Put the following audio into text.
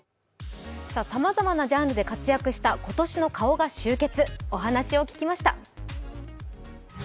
さまざまなジャンルで活躍した今年の顔が集結、お話を聞きました。